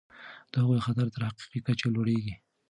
د هغوی خطر تر حقیقي کچې لوړیږي.